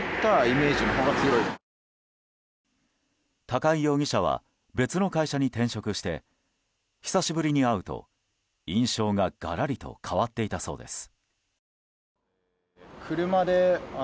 高井容疑者は別の会社に転職して久しぶりに会うと、印象ががらりと変わっていたそうです。